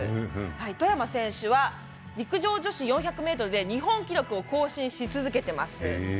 外山選手は、陸上女子４００ｍで日本記録を更新し続けています。